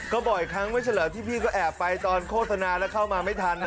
ก็บ่อยครั้งไม่ใช่เหรอที่พี่ก็แอบไปตอนโฆษณาแล้วเข้ามาไม่ทัน